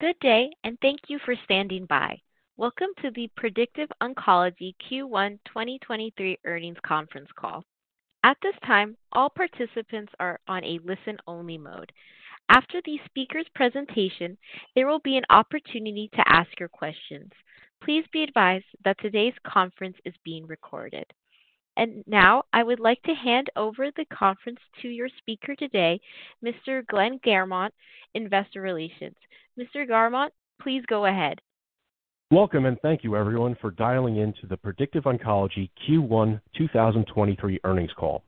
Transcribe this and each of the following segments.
Good day, and thank you for standing by. Welcome to the Predictive Oncology Q1 2023 earnings conference call. At this time, all participants are on a listen-only mode. After the speaker's presentation, there will be an opportunity to ask your questions. Please be advised that today's conference is being recorded. Now I would like to hand over the conference to your speaker today, Mr. Glenn Garmont, Investor Relations. Mr. Garmont, please go ahead. Welcome, and thank you, everyone, for dialing in to the Predictive Oncology Q1 2023 earnings call.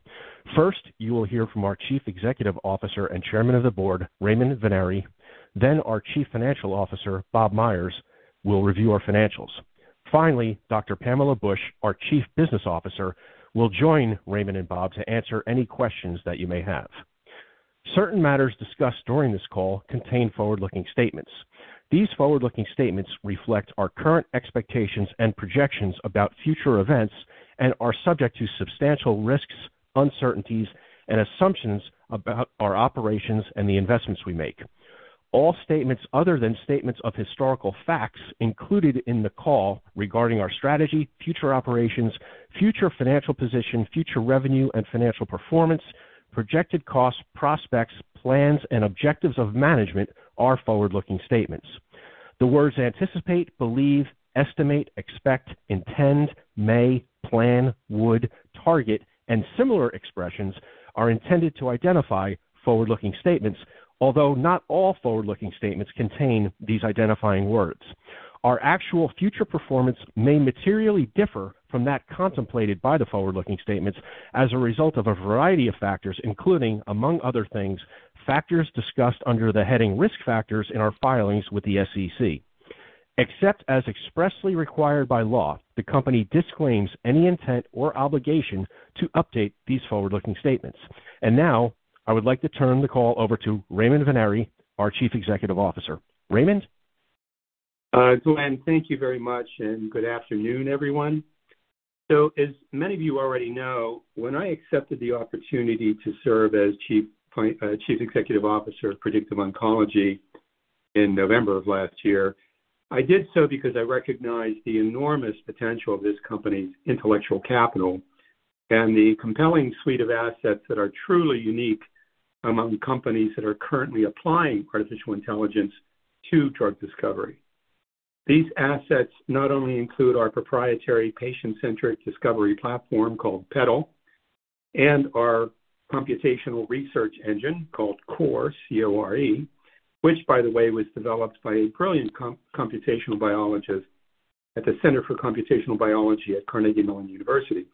First, you will hear from our Chief Executive Officer and Chairman of the Board, Raymond Vennare. Then our Chief Financial Officer, Bob Myers, will review our financials. Finally, Dr. Pamela Bush, our Chief Business Officer, will join Raymond and Bob to answer any questions that you may have. Certain matters discussed during this call contain forward-looking statements. These forward-looking statements reflect our current expectations and projections about future events and are subject to substantial risks, uncertainties, and assumptions about our operations and the investments we make. All statements other than statements of historical facts included in the call regarding our strategy, future operations, future financial position, future revenue and financial performance, projected costs, prospects, plans, and objectives of management are forward-looking statements. The words anticipate, believe, estimate, expect, intend, may, plan, would, target, and similar expressions are intended to identify forward-looking statements, although not all forward-looking statements contain these identifying words. Our actual future performance may materially differ from that contemplated by the forward-looking statements as a result of a variety of factors, including, among other things, factors discussed under the heading Risk Factors in our filings with the SEC. Except as expressly required by law, the company disclaims any intent or obligation to update these forward-looking statements. Now, I would like to turn the call over to Raymond Vennare, our Chief Executive Officer. Raymond. Glenn, thank you very much. Good afternoon, everyone. As many of you already know, when I accepted the opportunity to serve as Chief Executive Officer of Predictive Oncology in November of last year, I did so because I recognized the enormous potential of this company's intellectual capital and the compelling suite of assets that are truly unique among companies that are currently applying artificial intelligence to drug discovery. These assets not only include our proprietary patient-centric discovery platform called PeDAL and our computational research engine called CORE, C-O-R-E, which by the way, was developed by a brilliant computational biologist at the Computational Biology Department at Carnegie Mellon University,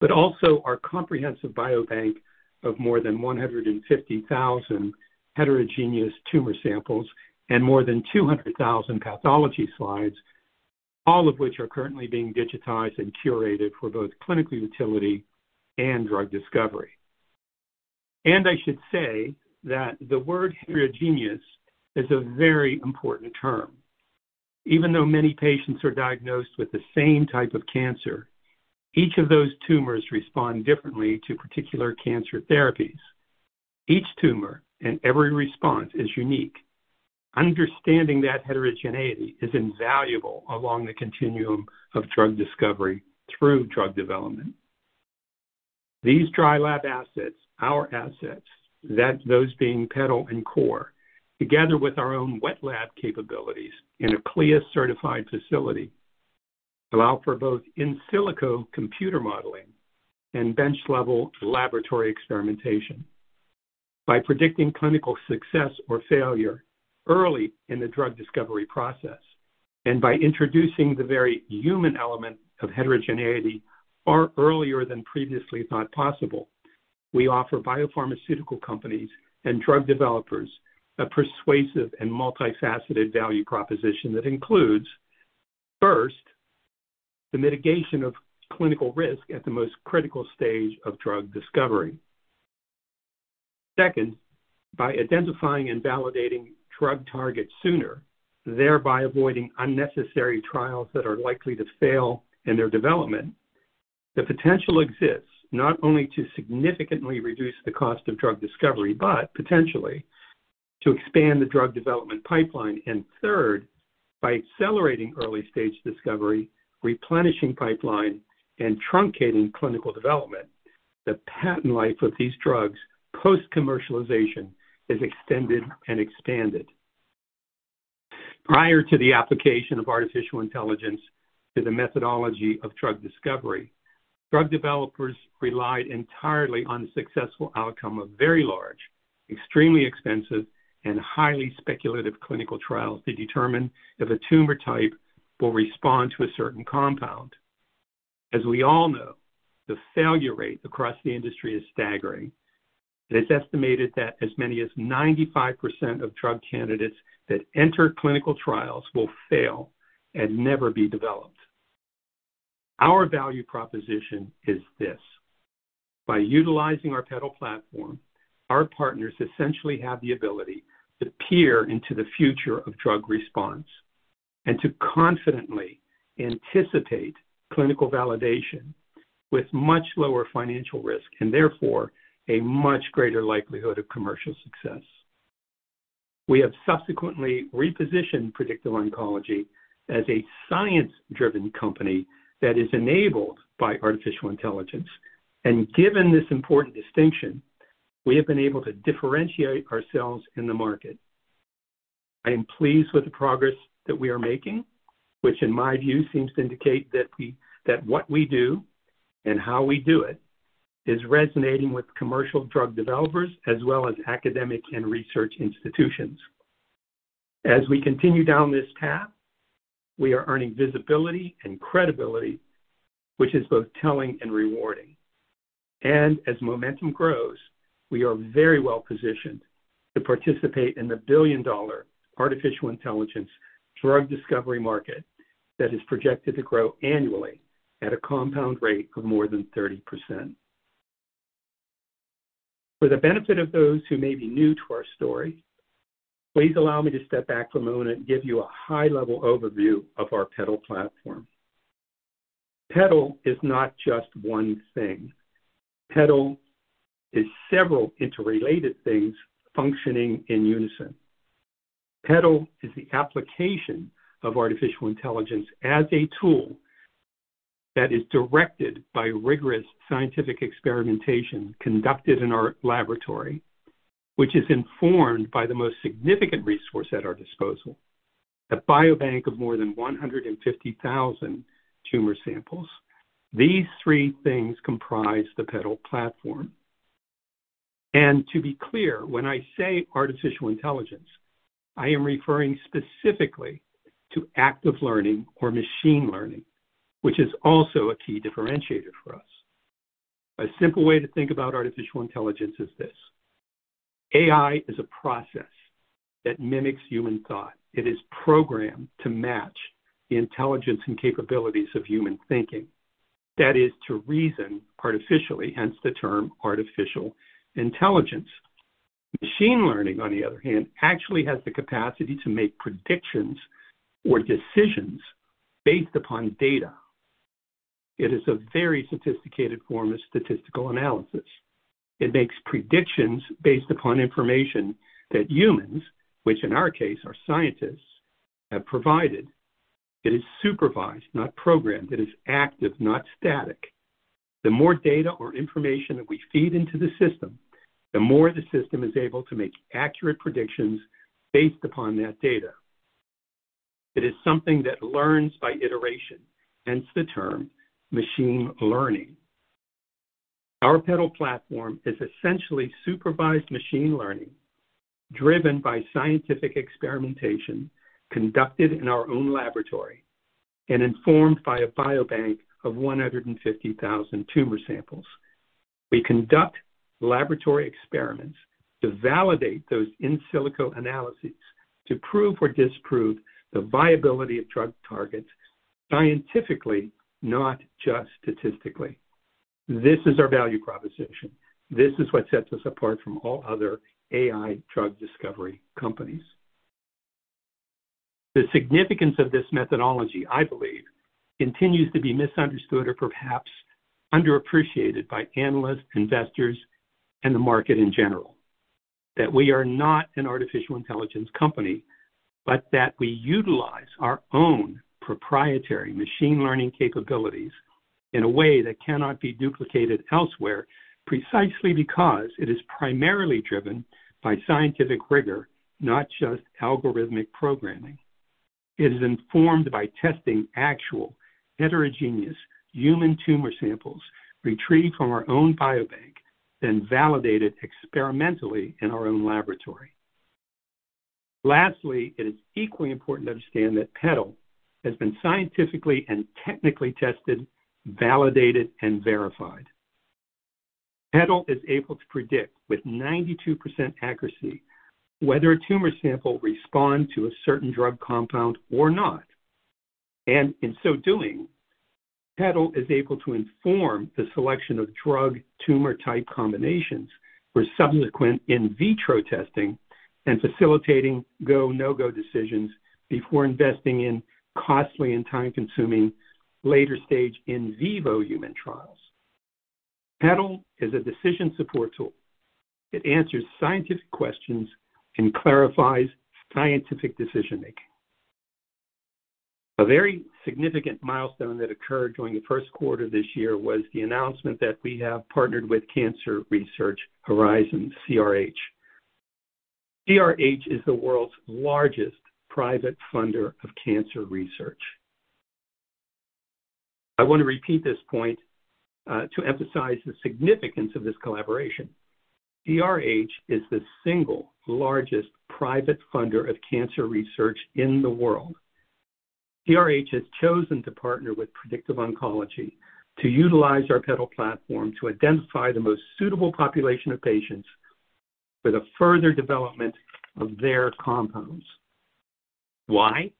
but also our comprehensive biobank of more than 150,000 heterogeneous tumor samples and more than 200,000 pathology slides, all of which are currently being digitized and curated for both clinical utility and drug discovery. I should say that the word heterogeneous is a very important term. Even though many patients are diagnosed with the same type of cancer, each of those tumors respond differently to particular cancer therapies. Each tumor and every response is unique. Understanding that heterogeneity is invaluable along the continuum of drug discovery through drug development. These dry lab assets, those being PeDAL and CORE, together with our own wet lab capabilities in a CLIA-certified facility, allow for both in silico computer modeling and bench-level laboratory experimentation. By predicting clinical success or failure early in the drug discovery process, by introducing the very human element of heterogeneity far earlier than previously thought possible, we offer biopharmaceutical companies and drug developers a persuasive and multifaceted value proposition that includes, first, the mitigation of clinical risk at the most critical stage of drug discovery. Second, by identifying and validating drug targets sooner, thereby avoiding unnecessary trials that are likely to fail in their development, the potential exists not only to significantly reduce the cost of drug discovery, but potentially to expand the drug development pipeline. Third, by accelerating early-stage discovery, replenishing pipeline, and truncating clinical development, the patent life of these drugs post-commercialization is extended and expanded. Prior to the application of artificial intelligence to the methodology of drug discovery, drug developers relied entirely on the successful outcome of very large, extremely expensive, and highly speculative clinical trials to determine if a tumor type will respond to a certain compound. As we all know, the failure rate across the industry is staggering. It is estimated that as many as 95% of drug candidates that enter clinical trials will fail and never be developed. Our value proposition is this. By utilizing our PeDAL platform, our partners essentially have the ability to peer into the future of drug response and to confidently anticipate clinical validation with much lower financial risk, and therefore a much greater likelihood of commercial success. We have subsequently repositioned Predictive Oncology as a science-driven company that is enabled by artificial intelligence. Given this important distinction, we have been able to differentiate ourselves in the market. I am pleased with the progress that we are making, which in my view seems to indicate that what we do and how we do it is resonating with commercial drug developers, as well as academic and research institutions. As we continue down this path, we are earning visibility and credibility, which is both telling and rewarding. As momentum grows, we are very well-positioned to participate in the billion-dollar artificial intelligence drug discovery market that is projected to grow annually at a compound rate of more than 30%. For the benefit of those who may be new to our story, please allow me to step back for a moment and give you a high-level overview of our PeDAL platform. PeDAL is not just one thing. PeDAL is several interrelated things functioning in unison. PeDAL is the application of artificial intelligence as a tool that is directed by rigorous scientific experimentation conducted in our laboratory, which is informed by the most significant resource at our disposal, a biobank of more than 150 tumor samples. These three things comprise the PeDAL platform. To be clear, when I say artificial intelligence, I am referring specifically to active learning or machine learning, which is also a key differentiator for us. A simple way to think about artificial intelligence is this. AI is a process that mimics human thought. It is programmed to match the intelligence and capabilities of human thinking. That is, to reason artificially, hence the term artificial intelligence. Machine learning, on the other hand, actually has the capacity to make predictions or decisions based upon data. It is a very sophisticated form of statistical analysis. It makes predictions based upon information that humans, which in our case are scientists, have provided. It is supervised, not programmed. It is active, not static. The more data or information that we feed into the system, the more the system is able to make accurate predictions based upon that data. It is something that learns by iteration, hence the term machine learning. Our PeDAL platform is essentially supervised machine learning driven by scientific experimentation conducted in our own laboratory and informed by a biobank of 150,000 tumor samples. We conduct laboratory experiments to validate those in silico analyses to prove or disprove the viability of drug targets scientifically, not just statistically. This is our value proposition. This is what sets us apart from all other AI drug discovery companies. The significance of this methodology, I believe, continues to be misunderstood or perhaps underappreciated by analysts, investors, and the market in general. That we are not an artificial intelligence company, but that we utilize our own proprietary machine learning capabilities in a way that cannot be duplicated elsewhere precisely because it is primarily driven by scientific rigor, not just algorithmic programming. It is informed by testing actual heterogeneous human tumor samples retrieved from our own biobank, then validated experimentally in our own laboratory. Lastly, it is equally important to understand that PeDAL has been scientifically and technically tested, validated, and verified. PeDAL is able to predict with 92% accuracy whether a tumor sample responds to a certain drug compound or not. In so doing, PeDAL is able to inform the selection of drug/tumor type combinations for subsequent in vitro testing and facilitating go/no-go decisions before investing in costly and time-consuming later-stage in vivo human trials. PeDAL is a decision support tool. It answers scientific questions and clarifies scientific decision-making. A very significant milestone that occurred during the first quarter this year was the announcement that we have partnered with Cancer Research Horizons, CRH. CRH is the world's largest private funder of cancer research. I want to repeat this point to emphasize the significance of this collaboration. CRH is the single largest private funder of cancer research in the world. CRH has chosen to partner with Predictive Oncology to utilize our PeDAL platform to identify the most suitable population of patients for the further development of their compounds. Why?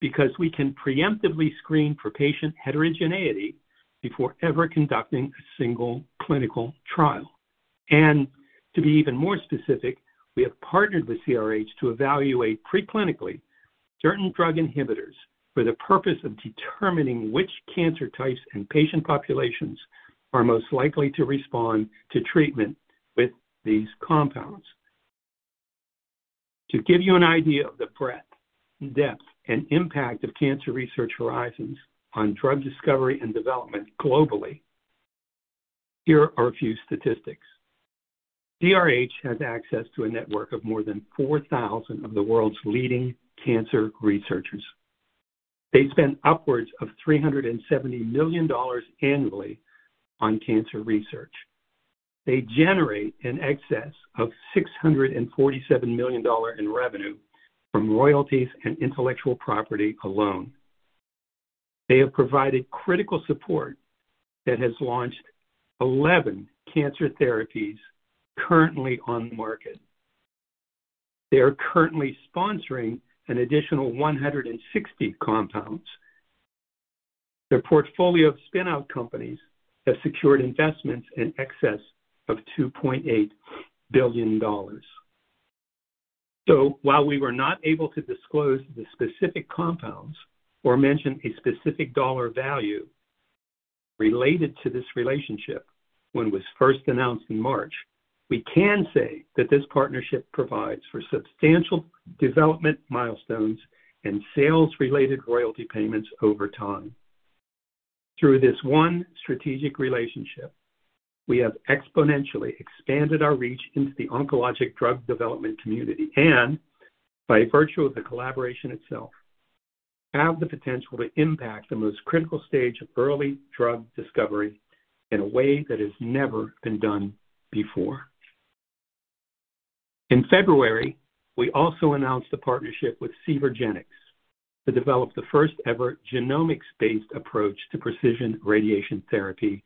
Because we can preemptively screen for patient heterogeneity before ever conducting a single clinical trial. To be even more specific, we have partnered with CRH to evaluate preclinically certain drug inhibitors for the purpose of determining which cancer types and patient populations are most likely to respond to treatment with these compounds. To give you an idea of the breadth, depth, and impact of Cancer Research Horizons on drug discovery and development globally, here are a few statistics. CRH has access to a network of more than 4,000 of the world's leading cancer researchers. They spend upwards of $370 million annually on cancer research. They generate in excess of $647 million in revenue from royalties and intellectual property alone. They have provided critical support that has launched 11 cancer therapies currently on the market. They are currently sponsoring an additional 160 compounds. Their portfolio of spin-out companies has secured investments in excess of $2.8 billion. While we were not able to disclose the specific compounds or mention a specific dollar value related to this relationship when it was first announced in March, we can say that this partnership provides for substantial development milestones and sales-related royalty payments over time. Through this one strategic relationship, we have exponentially expanded our reach into the oncologic drug development community and, by virtue of the collaboration itself, have the potential to impact the most critical stage of early drug discovery in a way that has never been done before. In February, we also announced a partnership with Cvergenx to develop the first-ever genomics-based approach to precision radiation therapy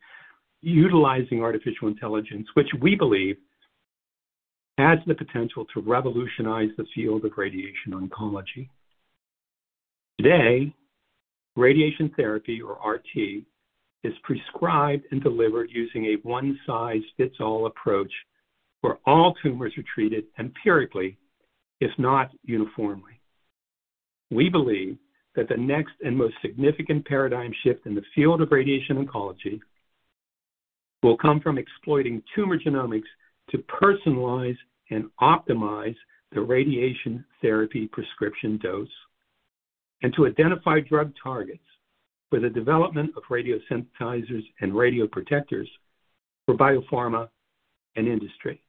utilizing artificial intelligence, which we believe has the potential to revolutionize the field of radiation oncology. Today, radiation therapy, or RT, is prescribed and delivered using a one-size-fits-all approach where all tumors are treated empirically, if not uniformly. We believe that the next and most significant paradigm shift in the field of radiation oncology will come from exploiting tumor genomics to personalize and optimize the radiation therapy prescription dose and to identify drug targets for the development of radiosensitizers and radioprotectors for biopharma and industry.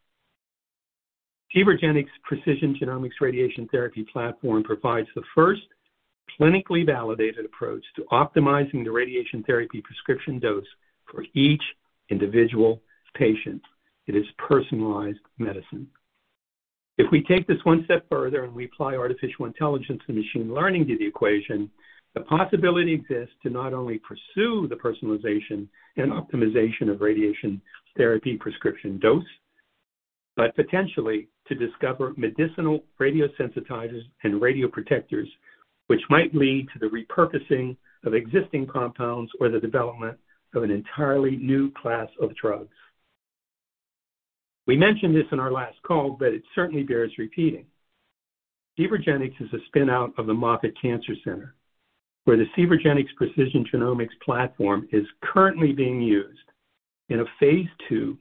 Cvergenx precision genomics radiation therapy platform provides the first clinically validated approach to optimizing the radiation therapy prescription dose for each individual patient. It is personalized medicine. If we take this one step further and we apply artificial intelligence and machine learning to the equation, the possibility exists to not only pursue the personalization and optimization of radiation therapy prescription dose, but potentially to discover medicinal radiosensitizers and radioprotectors, which might lead to the repurposing of existing compounds or the development of an entirely new class of drugs. We mentioned this in our last call. It certainly bears repeating. Cvergenx is a spin out of the Moffitt Cancer Center, where the Cvergenx precision genomics platform is currently being used in a Phase II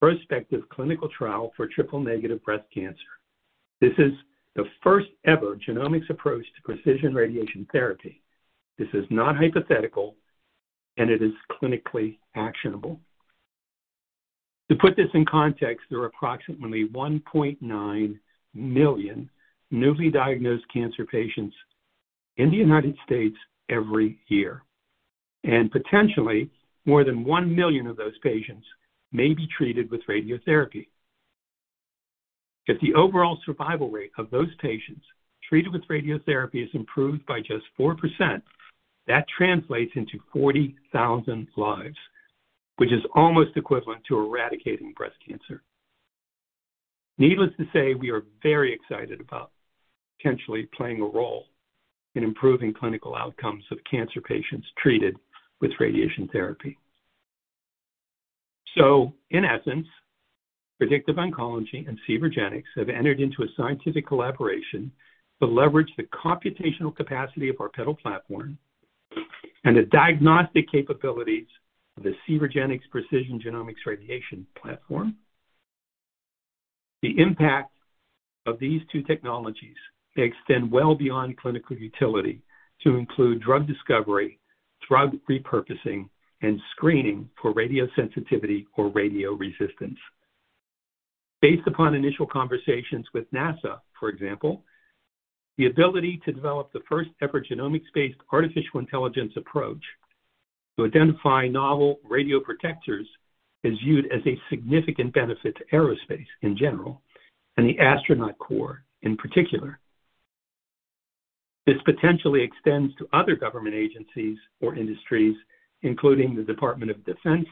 prospective clinical trial for triple-negative breast cancer. This is the first-ever genomics approach to precision radiation therapy. This is not hypothetical, and it is clinically actionable. To put this in context, there are approximately 1.9 million newly diagnosed cancer patients in the United States every year, and potentially more than 1 million of those patients may be treated with radiotherapy. If the overall survival rate of those patients treated with radiotherapy is improved by just 4%, that translates into 40,000 lives, which is almost equivalent to eradicating breast cancer. Needless to say, we are very excited about potentially playing a role in improving clinical outcomes of cancer patients treated with radiation therapy. In essence, Predictive Oncology and Cvergenx have entered into a scientific collaboration to leverage the computational capacity of our PeDAL platform and the diagnostic capabilities of the Cvergenx precision genomics radiation therapy platform. The impact of these two technologies may extend well beyond clinical utility to include drug discovery, drug repurposing, and screening for radiosensitivity or radio resistance. Based upon initial conversations with NASA, for example, the ability to develop the first-ever genomics-based artificial intelligence approach to identify novel radioprotectors is viewed as a significant benefit to aerospace in general and the astronaut core in particular. This potentially extends to other government agencies or industries, including the Department of Defense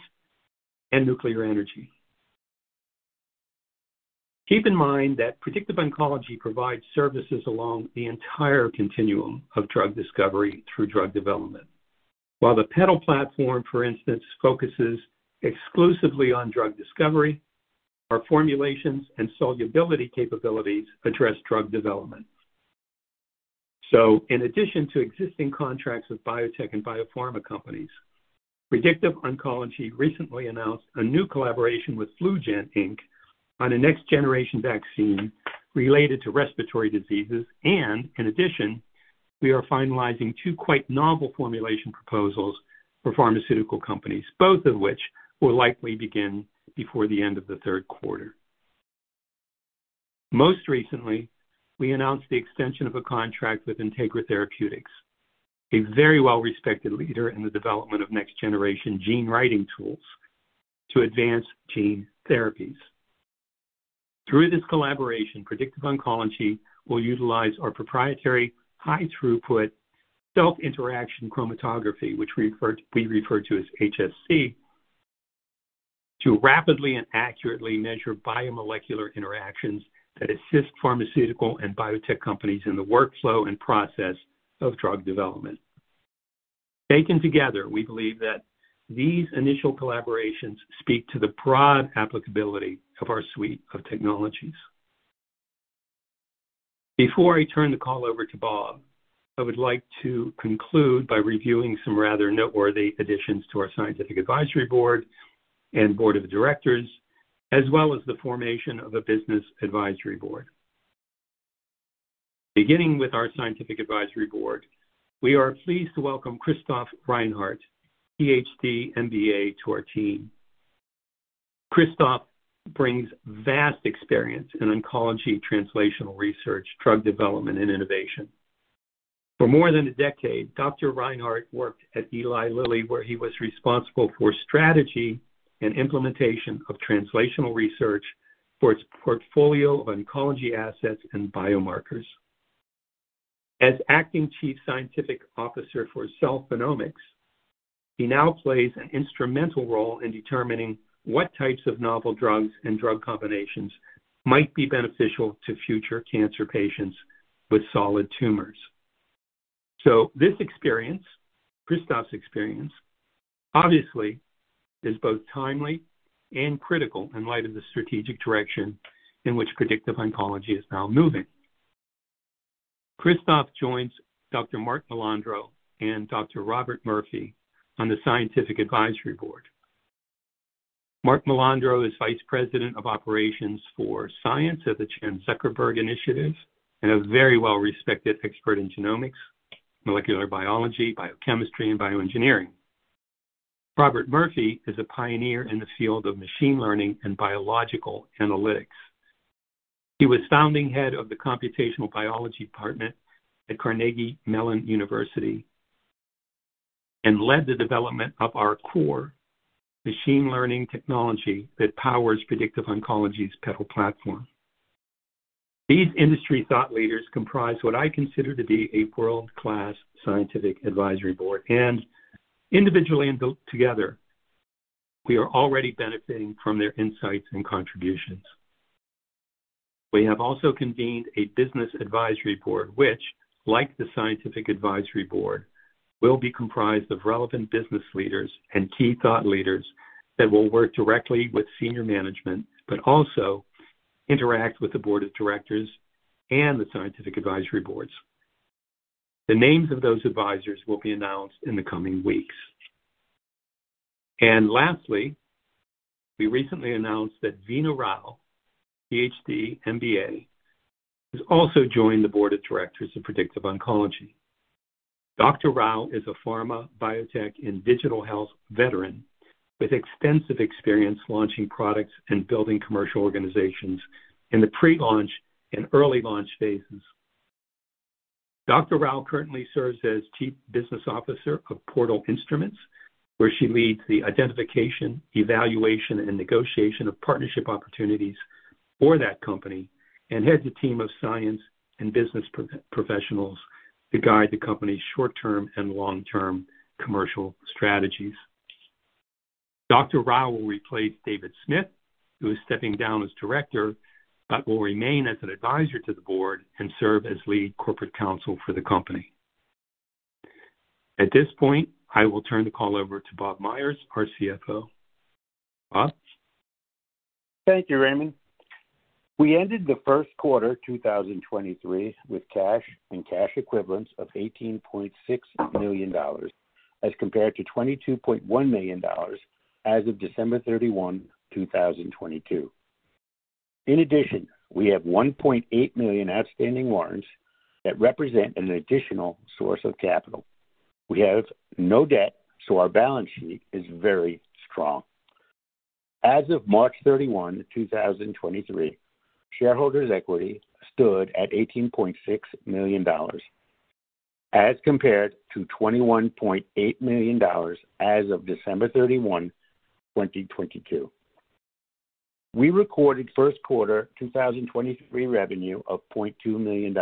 and Nuclear Energy. Keep in mind that Predictive Oncology provides services along the entire continuum of drug discovery through drug development. The PeDAL platform, for instance, focuses exclusively on drug discovery, our formulations and solubility capabilities address drug development. In addition to existing contracts with biotech and biopharma companies, Predictive Oncology recently announced a new collaboration with FluGen, Inc. on a next-generation vaccine related to respiratory diseases. In addition, we are finalizing two quite novel formulation proposals for pharmaceutical companies, both of which will likely begin before the end of the third quarter. Most recently, we announced the extension of a contract with Integra Therapeutics, a very well-respected leader in the development of next-generation gene writing tools to advance gene therapies. Through this collaboration, Predictive Oncology will utilize our proprietary high-throughput cell interaction chromatography, which we refer to as HSC, to rapidly and accurately measure biomolecular interactions that assist pharmaceutical and biotech companies in the workflow and process of drug development. Taken together, we believe that these initial collaborations speak to the broad applicability of our suite of technologies. Before I turn the call over to Bob, I would like to conclude by reviewing some rather noteworthy additions to our scientific advisory board and board of directors, as well as the formation of a business advisory board. Beginning with our scientific advisory board, we are pleased to welcome Christoph Reinhard, PhD, MBA, to our team. Christoph brings vast experience in oncology, translational research, drug development, and innovation. For more than a decade, Dr. Reinhard worked at Eli Lilly, where he was responsible for strategy and implementation of translational research for its portfolio of oncology assets and biomarkers. As acting chief scientific officer for Cell-N-omics, he now plays an instrumental role in determining what types of novel drugs and drug combinations might be beneficial to future cancer patients with solid tumors. This experience, Christoph's experience, obviously is both timely and critical in light of the strategic direction in which Predictive Oncology is now moving. Christoph joins Dr. Marc Malandro and Dr. Robert Murphy on the scientific advisory board. Marc Malandro is vice president of operations for science at the Chan Zuckerberg Initiative and a very well-respected expert in genomics, molecular biology, biochemistry, and bioengineering. Robert Murphy is a pioneer in the field of machine learning and biological analytics. He was founding head of the Computational Biology Department at Carnegie Mellon University and led the development of our core machine learning technology that powers Predictive Oncology's PeDAL platform. These industry thought leaders comprise what I consider to be a world-class scientific advisory board, and individually and together, we are already benefiting from their insights and contributions. We have also convened a business advisory board, which, like the scientific advisory board, will be comprised of relevant business leaders and key thought leaders that will work directly with senior management, but also interact with the board of directors and the scientific advisory boards. The names of those advisors will be announced in the coming weeks. Lastly, we recently announced that Veena Rao, PhD, MBA, has also joined the board of directors of Predictive Oncology. Dr. Rao is a pharma, biotech, and digital health veteran with extensive experience launching products and building commercial organizations in the pre-launch and early launch phases. Dr. Rao currently serves as Chief Business Officer of Portal Instruments, where she leads the identification, evaluation, and negotiation of partnership opportunities for that company and heads a team of science and business professionals to guide the company's short-term and long-term commercial strategies. Dr. Rao will replace David Smith, who is stepping down as director but will remain as an advisor to the board and serve as lead corporate counsel for the company. At this point, I will turn the call over to Bob Myers, our CFO. Bob? Thank you, Raymond. We ended the first quarter 2023 with cash and cash equivalents of $18.6 million as compared to $22.1 million as of December 31, 2022. In addition, we have 1.8 million outstanding warrants that represent an additional source of capital. We have no debt, so our balance sheet is very strong. As of March 31, 2023, shareholders' equity stood at $18.6 million as compared to $21.8 million as of December 31, 2022. We recorded first quarter 2023 revenue of $0.2 million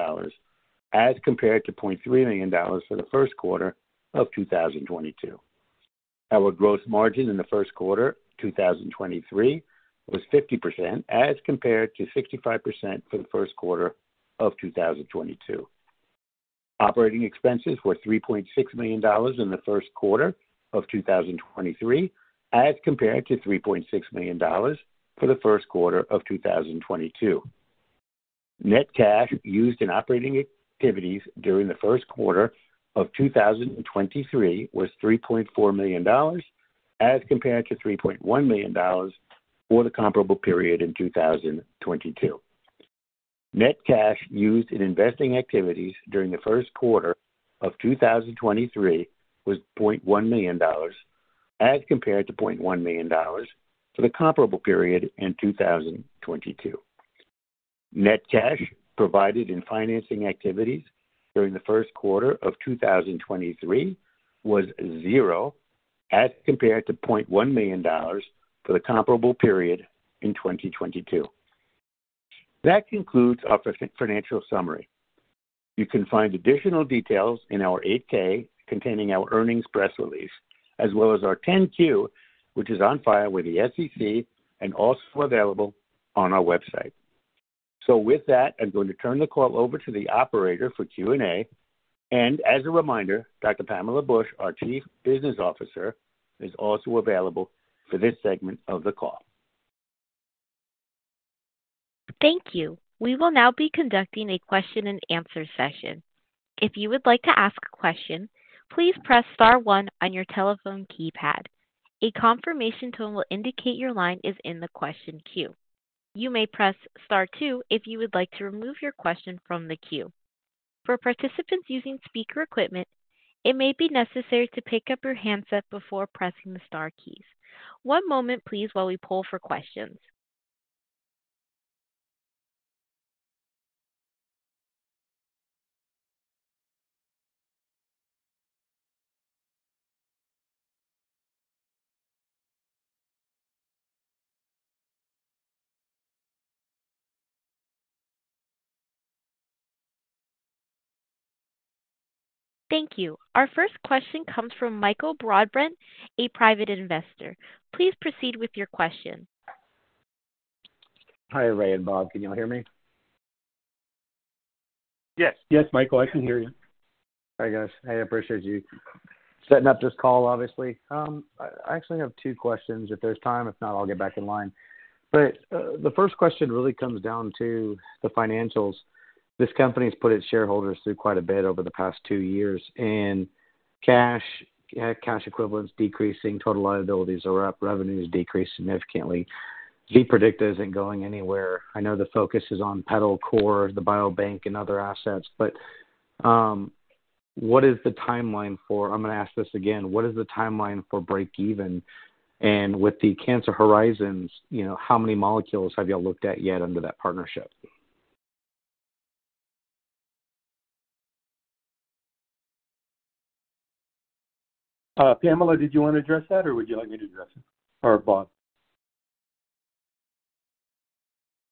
as compared to $0.3 million for the first quarter of 2022. Our gross margin in the first quarter 2023 was 50% as compared to 65% for the first quarter of 2022. Operating expenses were $3.6 million in the first quarter of 2023 as compared to $3.6 million for the first quarter of 2022. Net cash used in operating activities during the first quarter of 2023 was $3.4 million as compared to $3.1 million for the comparable period in 2022. Net cash used in investing activities during the first quarter of 2023 was $0.1 million as compared to $0.1 million for the comparable period in 2022. Net cash provided in financing activities during the first quarter of 2023 was 0 as compared to $0.1 million for the comparable period in 2022. That concludes our financial summary. You can find additional details in our 8-K containing our earnings press release as well as our 10-Q, which is on file with the SEC and also available on our website. With that, I'm going to turn the call over to the operator for Q&A. As a reminder, Dr. Pamela Bush, our Chief Business Officer, is also available for this segment of the call. Thank you. We will now be conducting a question and answer session. If you would like to ask a question, please press star one on your telephone keypad. A confirmation tone will indicate your line is in the question queue. You may press star two if you would like to remove your question from the queue. For participants using speaker equipment, it may be necessary to pick up your handset before pressing the star keys. One moment please while we pull for questions. Thank you. Our first question comes from Michael Broadbent, a private investor. Please proceed with your question. Hi, Ray and Bob. Can you all hear me? Yes. Yes, Michael, I can hear you. All right, guys, I appreciate you setting up this call, obviously. I actually have two questions if there's time. If not, I'll get back in line. The first question really comes down to the financials. This company's put its shareholders through quite a bit over the past two years, cash equivalents decreasing, total liabilities are up, revenues decreased significantly. Z-Predictive isn't going anywhere. I know the focus is on PeDAL CORE, the biobank and other assets, what is the timeline for... I'm gonna ask this again. What is the timeline for break even? With the Cancer Research Horizons, you know, how many molecules have you all looked at yet under that partnership? Pamela Bush, did you want to address that, or would you like me to address it? Bob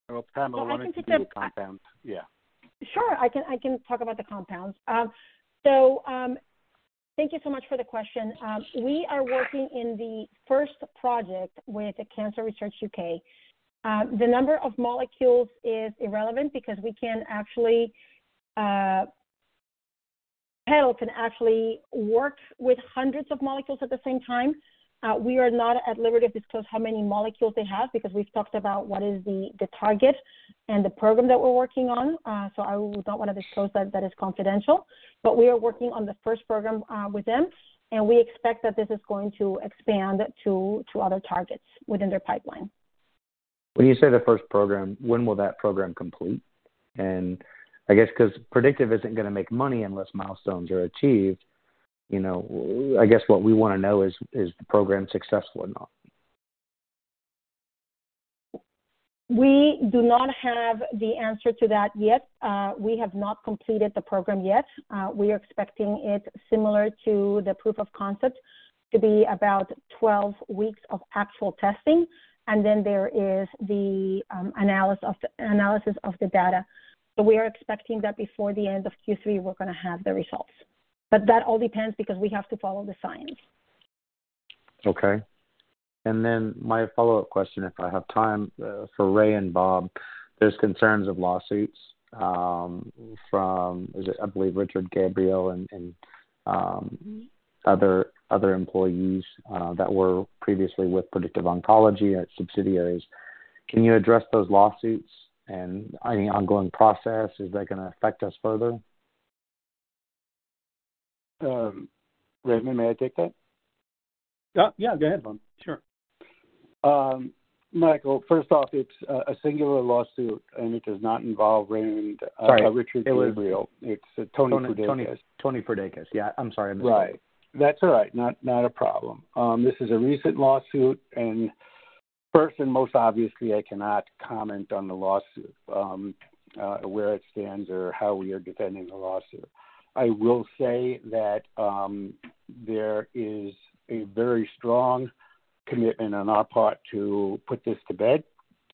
Myers. Pamela Bush wanted to do the compounds. Yeah. Sure. I can talk about the compounds. Thank you so much for the question. We are working in the first project with Cancer Research U.K. The number of molecules is irrelevant because we can actually, PeDAL can actually work with hundreds of molecules at the same time. We are not at liberty to disclose how many molecules they have because we've talked about what is the target and the program that we're working on. I would not wanna disclose that. That is confidential. We are working on the first program with them, and we expect that this is going to expand to other targets within their pipeline. When you say the first program, when will that program complete? I guess because Predictive Oncology isn't gonna make money unless milestones are achieved, you know, I guess what we wanna know is the program successful or not? We do not have the answer to that yet. We have not completed the program yet. We are expecting it similar to the proof of concept to be about 12 weeks of actual testing. Then there is the analysis of the data. We are expecting that before the end of Q3, we're gonna have the results. That all depends because we have to follow the science. Okay. My follow-up question, if I have time, for Ray and Bob, there's concerns of lawsuits, from, is it, I believe, Richard Gabriel and other employees, that were previously with Predictive Oncology at subsidiaries. Can you address those lawsuits and any ongoing process? Is that gonna affect us further? Raymond, may I take that? Go ahead, Bob. Sure. Michael, first off, it's a singular lawsuit, and it does not involve Raymond. Sorry. Richard Gabriel. It's Tony Perdikas. Tony Perdikas. Yeah, I'm sorry. I misspoke. Right. That's all right. Not, not a problem. This is a recent lawsuit. First and most obviously, I cannot comment on the lawsuit, where it stands or how we are defending the lawsuit. I will say that there is a very strong commitment on our part to put this to bed,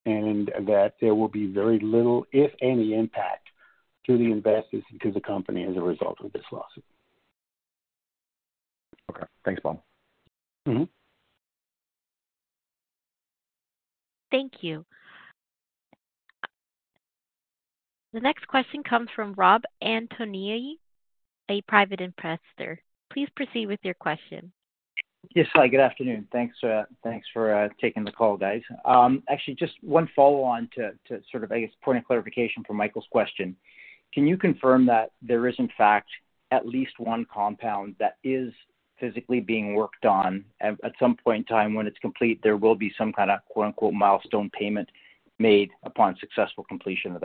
and that there will be very little, if any, impact To the investors and to the company as a result of this lawsuit. Okay. Thanks, Bob. Mm-hmm. Thank you. The next question comes from Rob Antoniades, a private investor. Please proceed with your question. Yes. Hi, good afternoon. Thanks, thanks for taking the call, guys. Actually, just one follow-on to sort of, I guess, point of clarification from Michael's question. Can you confirm that there is, in fact, at least one compound that is physically being worked on, at some point in time when it's complete, there will be some kind of, quote-unquote, "milestone payment" made upon successful completion of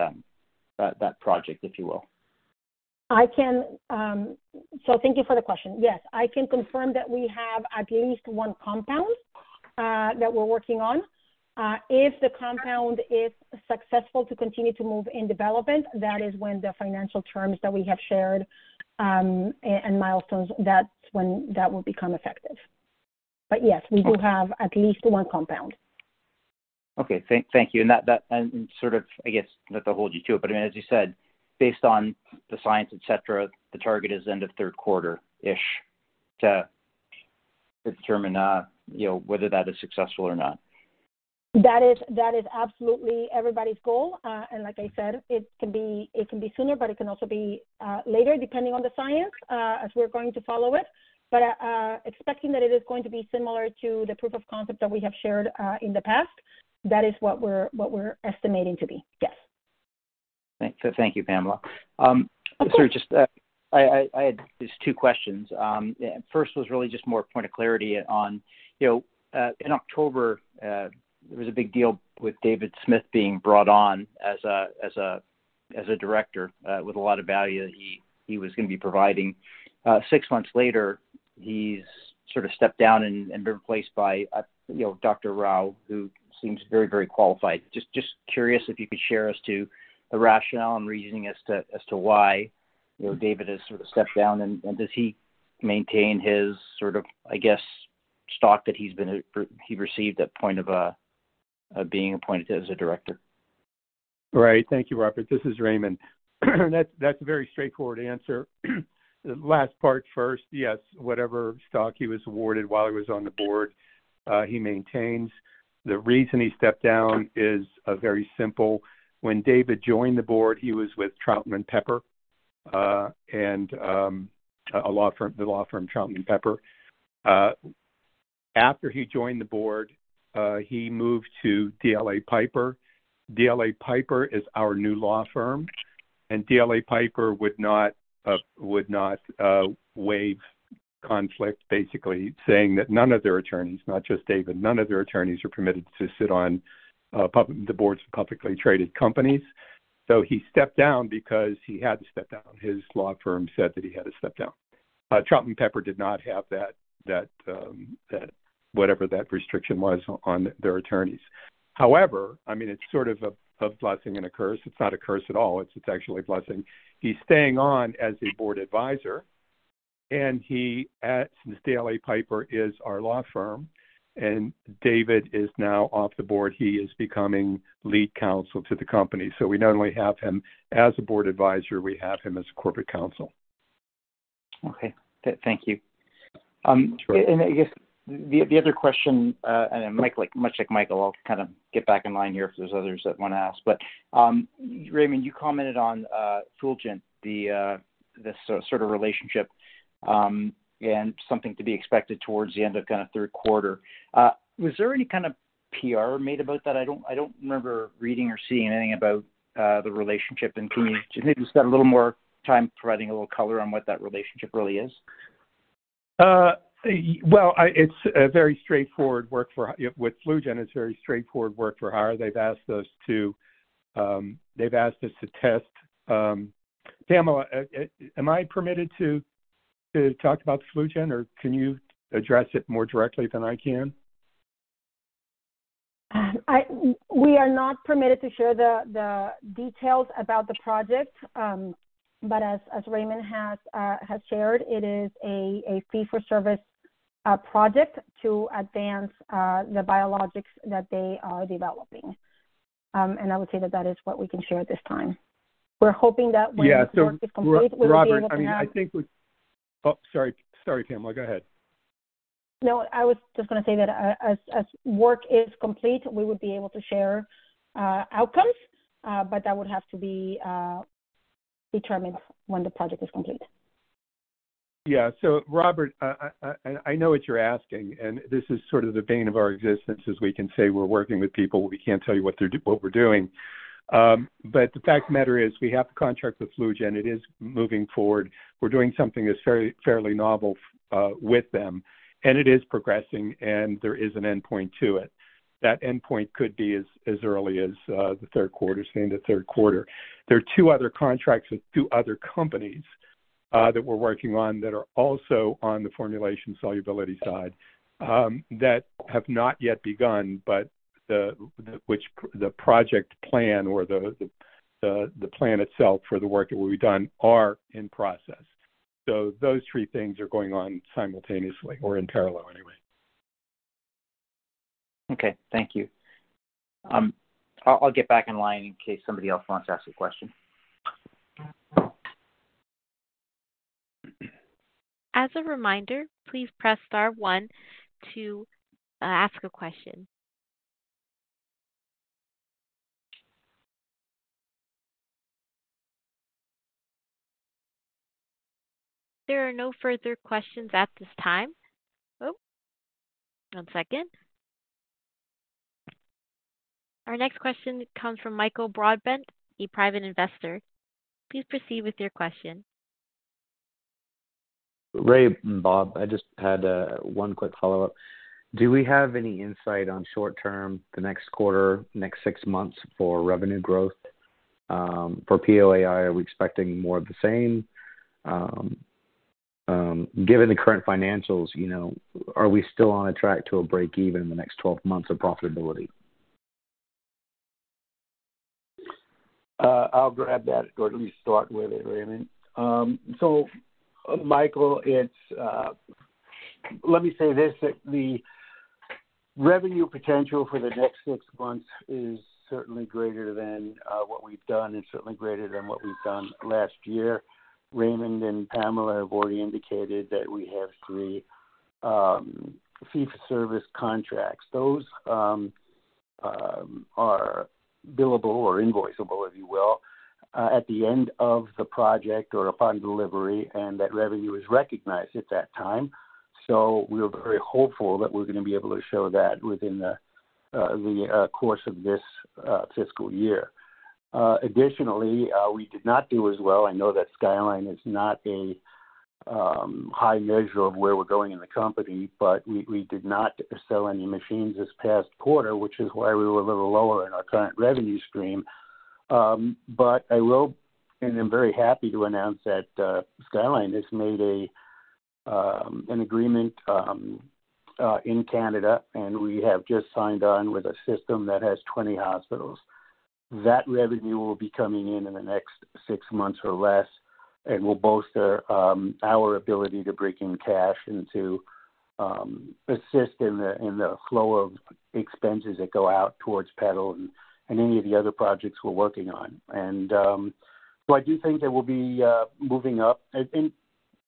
that project, if you will? I can. Thank you for the question. Yes, I can confirm that we have at least one compound that we're working on. If the compound is successful to continue to move in development, that is when the financial terms that we have shared and milestones, that's when that will become effective. Yes. We do have at least one compound. Okay. Thank you. That, and sort of, I guess, not to hold you to it, but, I mean, as you said, based on the science, et cetera, the target is end of third quarter-ish to determine, you know, whether that is successful or not. That is absolutely everybody's goal. Like I said, it can be sooner, but it can also be later, depending on the science as we're going to follow it. Expecting that it is going to be similar to the proof of concept that we have shared in the past, that is what we're estimating to be. Yes. Thank you, Pamela. Of course. Sorry, just, I had just two questions. First was really just more point of clarity on, you know, in October, there was a big deal with David Smith being brought on as a director, with a lot of value that he was gonna be providing. Six months later, he's sort of stepped down and been replaced by, you know, Dr. Rao, who seems very qualified. Just curious if you could share as to the rationale and reasoning as to why, you know, David has sort of stepped down, and does he maintain his sort of, I guess, stock that he received at point of being appointed as a director? Right. Thank you, Robert. This is Raymond. That's a very straightforward answer. Last part first, yes, whatever stock he was awarded while he was on the board, he maintains. The reason he stepped down is very simple. When David joined the board, he was with Troutman Pepper, and a law firm, Troutman Pepper. After he joined the board, he moved to DLA Piper. DLA Piper is our new law firm. DLA Piper would not waive conflict, basically saying that none of their attorneys, not just David, none of their attorneys are permitted to sit on the boards of publicly traded companies. He stepped down because he had to step down. His law firm said that he had to step down. Troutman Pepper did not have that, whatever that restriction was on their attorneys. I mean, it's sort of a blessing and a curse. It's not a curse at all. It's actually a blessing. He's staying on as a board advisor, and he, since DLA Piper is our law firm and David is now off the board, he is becoming lead counsel to the company. We not only have him as a board advisor, we have him as corporate counsel. Okay. Thank you. Sure. I guess the other question, and like much like Michael, I'll kind of get back in line here if there's others that wanna ask. Raymond, you commented on FluGen, the sort of relationship, and something to be expected towards the end of kinda third quarter. Was there any kind of PR made about that? I don't, I don't remember reading or seeing anything about the relationship and communication. Maybe you can spend a little more time providing a little color on what that relationship really is? With FluGen, it's very straightforward work for hire. They've asked us to test. Pamela, am I permitted to talk about FluGen, or can you address it more directly than I can? We are not permitted to share the details about the project, but as Raymond has shared, it is a fee for service project to advance the biologics that they are developing. I would say that is what we can share at this time. We're hoping that when. Yeah, so. the work is complete, we'll be able to- Robert, I mean, I think we. Oh, sorry. Sorry, Pamela. Go ahead. I was just gonna say that, as work is complete, we would be able to share outcomes, but that would have to be determined when the project is complete. Robert, I know what you're asking, and this is sort of the bane of our existence, as we can say we're working with people, but we can't tell you what we're doing. The fact of matter is we have the contract with FluGen. It is moving forward. We're doing something that's fairly novel with them, and it is progressing, and there is an endpoint to it. That endpoint could be as early as the third quarter, say, into third quarter. There are two other contracts with two other companies that we're working on that are also on the formulation solubility side that have not yet begun the project plan or the plan itself for the work that will be done are in process. Those three things are going on simultaneously or in parallel anyway. Okay. Thank you. I'll get back in line in case somebody else wants to ask a question. As a reminder, please press star one to ask a question. There are no further questions at this time. Oh, one second. Our next question comes from Michael Broadbent, a private investor. Please proceed with your question. Ray and Bob, I just had one quick follow-up. Do we have any insight on short term, the next quarter, next six months for revenue growth for POAI? Are we expecting more of the same? Given the current financials, you know, are we still on a track to a break even in the next 12 months of profitability? I'll grab that or at least start with it, Raymond. So, Michael, it's. Let me say this, that the revenue potential for the next 6 months is certainly greater than what we've done and certainly greater than what we've done last year. Raymond and Pamela have already indicated that we have 3 fee for service contracts. Those are billable or invoiceable, if you will, at the end of the project or upon delivery, and that revenue is recognized at that time. We're very hopeful that we're gonna be able to show that within the course of this fiscal year. Additionally, we did not do as well. I know that Skyline is not a high measure of where we're going in the company, but we did not sell any machines this past quarter, which is why we were a little lower in our current revenue stream. But I will, and I'm very happy to announce that Skyline has made an agreement in Canada, and we have just signed on with a system that has 20 hospitals. That revenue will be coming in in the next 6 months or less and will bolster our ability to bring in cash and to assist in the flow of expenses that go out towards PeDAL and any of the other projects we're working on. I do think that we'll be moving up. I think,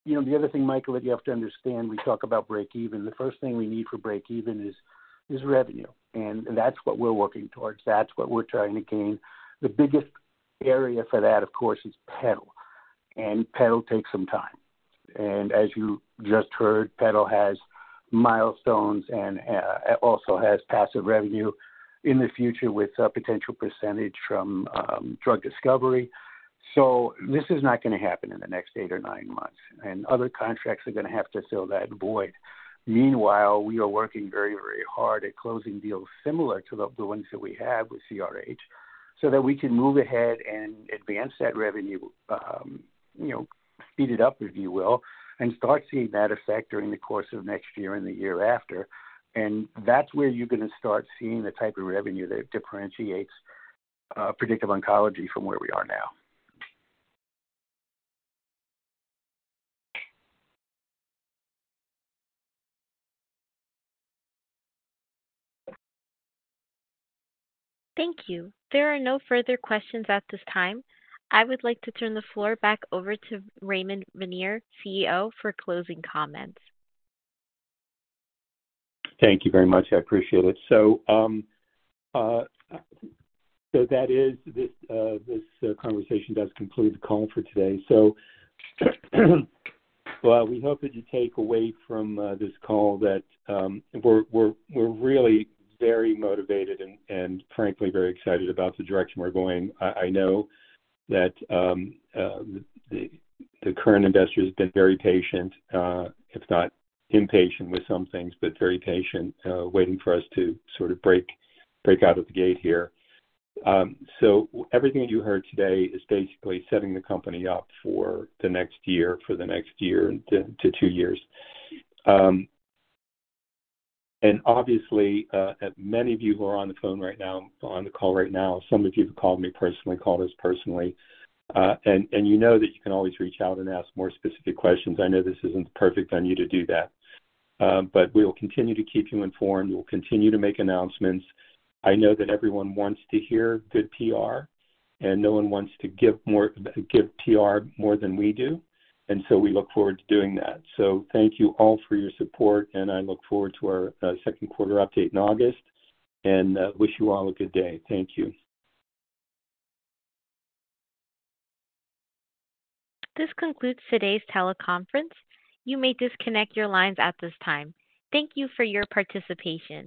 you know, the other thing, Michael, that you have to understand, we talk about break even. The first thing we need for break even is revenue. That's what we're working towards. That's what we're trying to gain. The biggest area for that, of course, is PeDAL, and PeDAL takes some time. As you just heard, PeDAL has milestones and also has passive revenue in the future with a potential percentage from drug discovery. This is not gonna happen in the next eight or nine months, and other contracts are gonna have to fill that void. Meanwhile, we are working very, very hard at closing deals similar to the ones that we have with CRH so that we can move ahead and advance that revenue, you know, speed it up, if you will, and start seeing that effect during the course of next year and the year after. That's where you're gonna start seeing the type of revenue that differentiates Predictive Oncology from where we are now. Thank you. There are no further questions at this time. I would like to turn the floor back over to Raymond Vennare, CEO, for closing comments. Thank you very much. I appreciate it. That is this conversation does conclude the call for today. Well, we hope that you take away from this call that we're really very motivated and frankly, very excited about the direction we're going. I know that the current investors have been very patient, if not impatient with some things, but very patient, waiting for us to sort of break out of the gate here. Everything that you heard today is basically setting the company up for the next year to two years. Obviously, many of you who are on the phone right now, on the call right now, some of you have called me personally, called us personally, and you know that you can always reach out and ask more specific questions. I know this isn't perfect. I need to do that. We will continue to keep you informed. We'll continue to make announcements. I know that everyone wants to hear good PR. No one wants to give PR more than we do. We look forward to doing that. Thank you all for your support. I look forward to our second quarter update in August. Wish you all a good day. Thank you. This concludes today's teleconference. You may disconnect your lines at this time. Thank you for your participation.